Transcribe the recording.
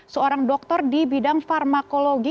seorang dokter di bidang farmakologi